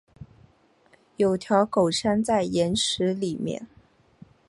有条狗塞在岩石里面